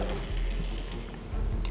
masalahnya adik aku kerja di kantor nino